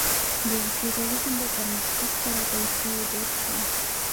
د فیوډالیزم په پرمختګ سره پیسې دود شوې.